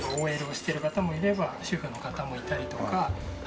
ＯＬをしてる方もいれば主婦の方もいたりとか。